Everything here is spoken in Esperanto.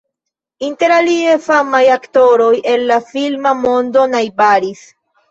Interalie famaj aktoroj el la filma mondo najbaris.